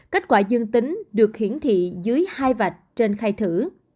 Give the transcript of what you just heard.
kết quả dương tính được hiển thị dưới hai vạch trên khai thử